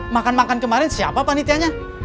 makan makan kemarin siapa panitianya